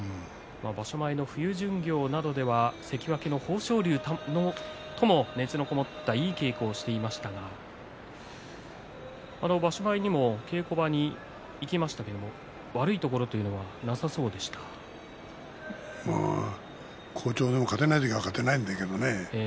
場所前の冬巡業などでは関脇の豊昇龍と熱のこもった稽古をしていましたが場所前にも稽古場に行きましたけども悪いところというのは好調でも勝てない時は勝てないんだけどね。